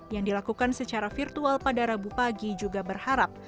yang dilakukan secara virtual pada rabu pagi juga berharap